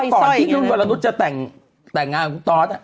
ก่อนที่นุ่นวรนุษย์จะแต่งงานของคุณตอส